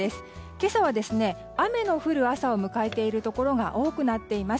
今朝は雨の降る朝を迎えているところが多くなっています。